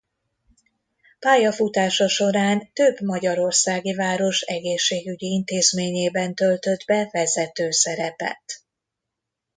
Pályafutása során több magyarországi város egészségügyi intézményében töltött be vezető szerepet.